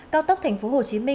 cao tốc tp hcm